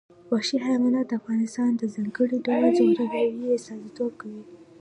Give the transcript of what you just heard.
وحشي حیوانات د افغانستان د ځانګړي ډول جغرافیه استازیتوب کوي.